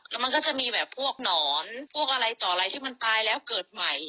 แล้วมันก็จะมีแบบพวกหนอนพวกอะไรต่ออะไรที่มันตายแล้วเกิดใหม่